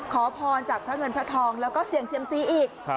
ขอพรจากพระเงินพระทองแล้วก็เสี่ยงเซียมซีอีก